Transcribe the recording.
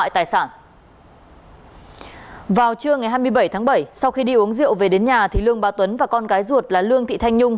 bảy tháng bảy sau khi đi uống rượu về đến nhà thì lương bà tuấn và con gái ruột là lương thị thanh nhung